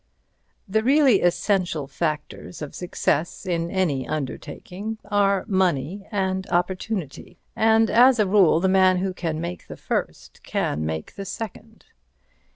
The really essential factors of success in any undertaking are money and opportunity, and as a rule, the man who can make the first can make the second.